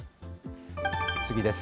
次です。